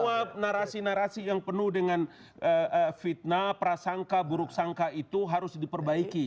semua narasi narasi yang penuh dengan fitnah prasangka buruk sangka itu harus diperbaiki